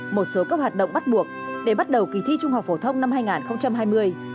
một số các hoạt động bắt buộc để bắt đầu kỳ thi trung học phổ thông năm hai nghìn hai mươi